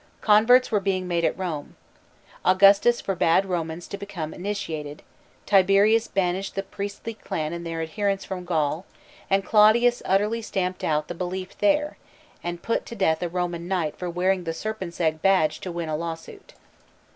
Converts were being made at Rome. Augustus forbade Romans to became initiated, Tiberius banished the priestly clan and their adherents from Gaul, and Claudius utterly stamped out the belief there, and put to death a Roman knight for wearing the serpent's egg badge to win a lawsuit.